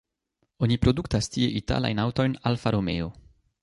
Oni produktas tie italajn aŭtojn Alfa Romeo.